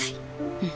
うん。